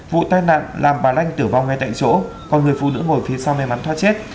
vụ tai nạn làm bà lan tử vong ngay tại chỗ còn người phụ nữ ngồi phía sau may mắn thoát chết